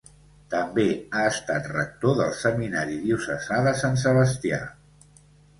També ha estat rector del Seminari Diocesà de Sant Sebastià.